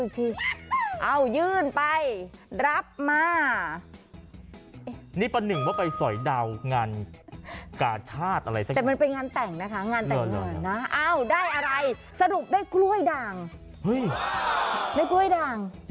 แต่เขาไม่เปิดดูนะอยากต้องใส่ได้ซองเท่าไร